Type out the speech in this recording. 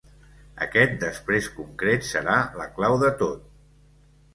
Aquest després concret serà la clau de tot.